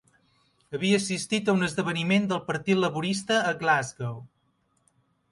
Havia assistit a un esdeveniment del Partit Laborista a Glasgow.